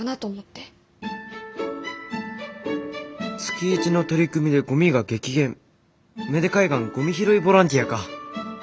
「月１の取り組みでゴミが激減芽出海岸ゴミ拾いボランティア」か。